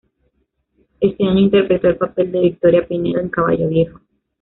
Ese año interpretó el papel de Victoria Pinedo en "Caballo viejo".